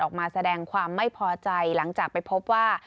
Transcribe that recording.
ออกมาแสดงความไม่พอใจหลังจากไปพบว่า